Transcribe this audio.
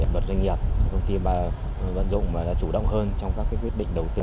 doanh nghiệp công ty vận dụng đã chủ động hơn trong các quyết định đầu tiên